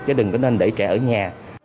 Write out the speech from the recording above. chứ đừng có nên để trẻ ở nhà